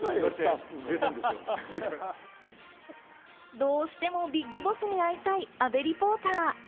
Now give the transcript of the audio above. どうしてもＢＩＧＢＯＳＳに会いたい阿部リポーター。